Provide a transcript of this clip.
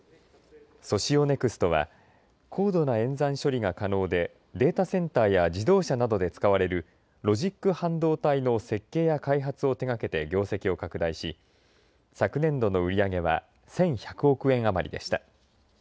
ソシオネクストは高度な演算処理が可能でデータセンターや自動車などで使われるロジック半導体の設計や開発を手掛けて業績を拡大し昨年度の売り上げは１１００億円余りでした。